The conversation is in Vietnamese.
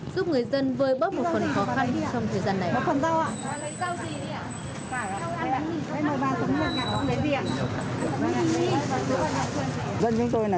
giúp người dân vơi bớt một phần khó khăn trong thời gian này